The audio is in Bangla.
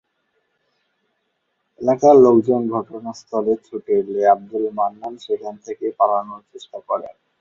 এলাকার লোকজন ঘটনাস্থলে ছুটে এলে আবদুল মান্নান সেখান থেকে পালানোর চেষ্টা করেন।